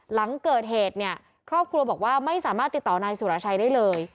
หลังเกิดเหตุเนี่ยครอบครัวบอกว่าไม่สามารถติดต่อนายสุรชัยได้เลย